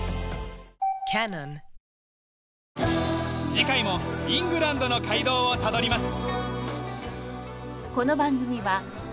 次回もイングランドの街道をたどります。